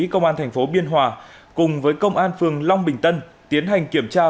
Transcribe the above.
công an thành phố biên hòa cùng với công an phường long bình tân tiến hành kiểm tra